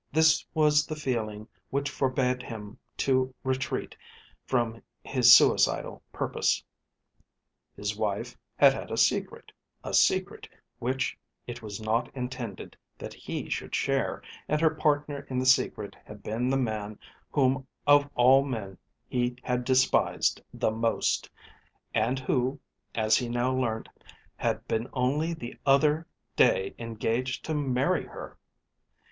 This was the feeling which forbad him to retreat from his suicidal purpose. His wife had had a secret, a secret which it was not intended that he should share, and her partner in the secret had been that man whom of all men he had despised the most, and who, as he now learnt, had been only the other day engaged to marry her.